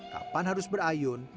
kapan harus berayun